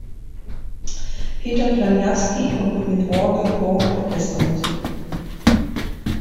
Peter Planyavsky komponiert Orgel-, Chor- und Orchestermusik.